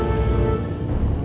kamu siap indaro